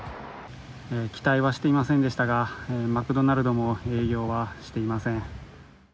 期待はしていませんでしたがマクドナルドも営業はしていません。